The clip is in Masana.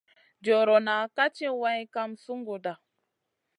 Joriona ka tchi wayn kam sunguda.